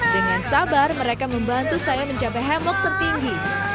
dengan sabar mereka membantu saya mencapai hemok tertinggi